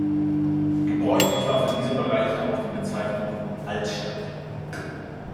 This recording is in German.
Gebräuchlich war für diese Bereiche auch die Bezeichnung „Altstadt“.